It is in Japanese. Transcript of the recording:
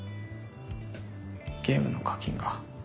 ゲームの課金が。